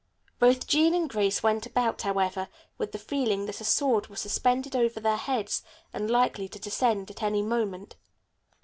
Both Jean and Grace went about, however, with the feeling that a sword was suspended over their heads and likely to descend at any moment.